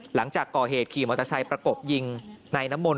หลังจากก่อเหตุขี่มอเตอร์ไซค์ประกบยิงนายน้ำมนต